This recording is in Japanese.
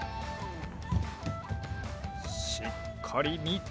しっかりみて。